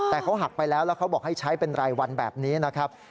แต่เขาหักไปแล้วแล้วเขาบอกให้ใช้เป็นรายวันแบบนี้นะครับ